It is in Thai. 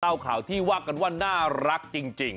ข่าวที่ว่ากันว่าน่ารักจริง